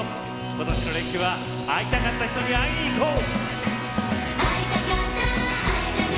今年の連休は会いたかった人に会いに行こう！